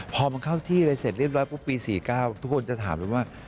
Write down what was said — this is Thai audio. พอมันเข้าที่เลยเสร็จเรียบร้อยพรุ่งปี๔๙ทุกคนจะถามกันว่า